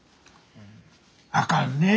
あかんねえ。